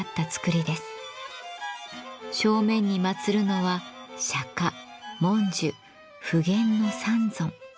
正面に祭るのは釈文殊普賢の三尊。